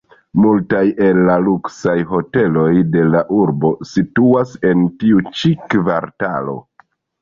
Multaj el la luksaj hoteloj de la urbo situas en tiu ĉi kvartalo.